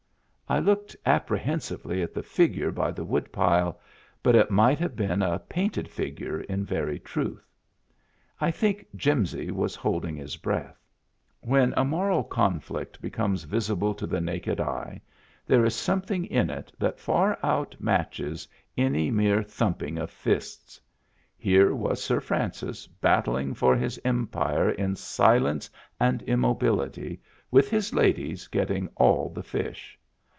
I looked appre hensively at the figure by the woodpile, but it might have been a painted figure in very truth. I think Jimsy was holding his breath. When a moral conflict becomes visible to the naked eye there is something in it that far out matches any mere thumping of fists; here was Sir Francis battling for his empire in silence and immobility, with his ladies getting all the fish.